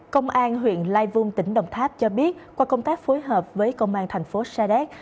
công an huyện lai vung tỉnh đồng tháp cho biết qua công tác phối hợp với công an thành phố sa đéc